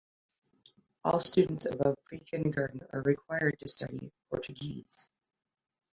All students above pre-kindergarten are required to study Portuguese.